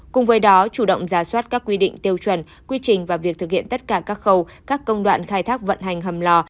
cùng với đó chủ động ra soát các quy định tiêu chuẩn quy trình và việc thực hiện tất cả các khâu các công đoạn khai thác vận hành hầm lò